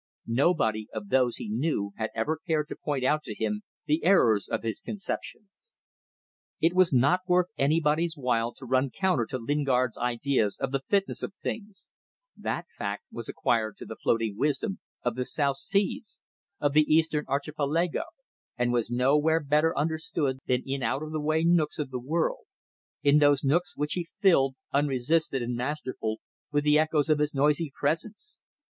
Nobody of those he knew had ever cared to point out to him the errors of his conceptions. It was not worth anybody's while to run counter to Lingard's ideas of the fitness of things that fact was acquired to the floating wisdom of the South Seas, of the Eastern Archipelago, and was nowhere better understood than in out of the way nooks of the world; in those nooks which he filled, unresisted and masterful, with the echoes of his noisy presence.